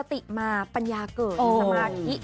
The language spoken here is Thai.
หลวงปู่ทวชหลวงปู่ทวช